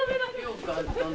よかったね。